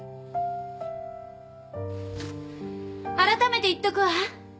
あらためて言っとくわ。